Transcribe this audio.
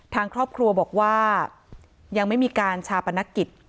ทางครอบครัวบอกว่ายังไม่มีการชาปนกิจ